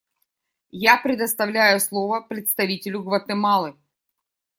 Я предоставляю слово представителю Гватемалы.